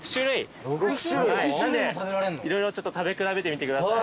色々ちょっと食べ比べてみてください。